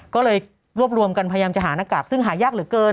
ก็เลยรวบรวมกันพยายามจะหาหน้ากากซึ่งหายากเหลือเกิน